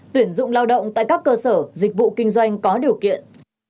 tuyển dụng lao động tại các cơ sở dịch vụ kinh doanh có điều kiện